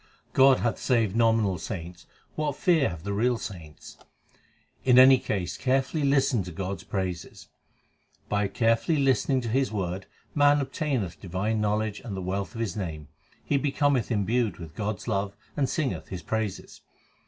God hath saved nominal saints : what fear have the real saints ? In any case carefully listen to God s praises. By carefully listening to His word man obtameth divine knowledge and the wealth of His name. He becometh imbued with God s love and singeth His praises.